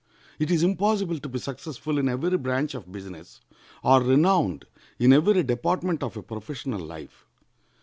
It is impossible to be successful in every branch of business, or renowned in every department of a professional life.